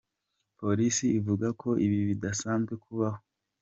Polisi ivuga ko ibi bidakunze kubaho.